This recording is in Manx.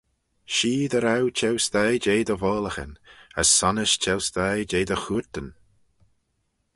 Shee dy row cheu-sthie jeh dty voallaghyn: as sonnys cheu-sthie jeh dty chooyrtyn.